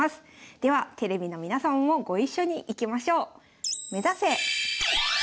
ではテレビの皆様もご一緒にいきましょう！